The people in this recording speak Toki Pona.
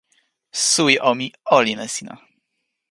suwi o, mi olin e sina!